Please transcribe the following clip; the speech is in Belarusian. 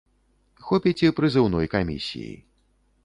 Хопіць і прызыўной камісіі.